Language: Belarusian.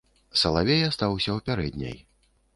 Салавей астаўся ў пярэдняй.